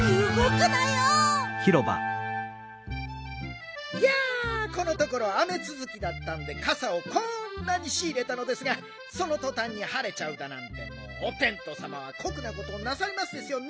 いやこのところ雨つづきだったんでかさをこんなにしいれたのですがそのとたんにはれちゃうだなんてもうおてんとうさまはこくなことをなさりますですよね